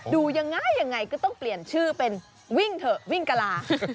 ดูยังไงยังไงก็ต้องเปลี่ยนชื่อเป็นวิ่งเถอะวิ่งกะลา